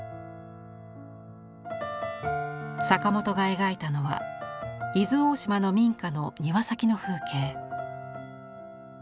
坂本が描いたのは伊豆大島の民家の庭先の風景。